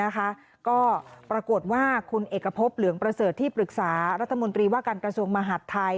ก็ปรากฏว่าคุณเอกพบเหลืองประเสริฐที่ปรึกษารัฐมนตรีว่าการกระทรวงมหาดไทย